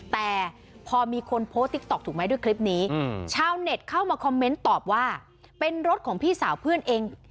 แต่พอมีคนโพสต์ติ๊กต๊อกถูกไหมด้วยคลิปนี้ชาวเน็ตเข้ามาคอมเมนต์ตอบว่าเป็นรถของพี่สาวเพื่อนเอง